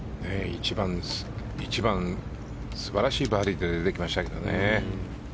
１番、素晴らしいバーディーが出てきましたよね。